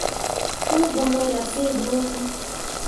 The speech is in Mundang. Wu go mu riak fii go wone.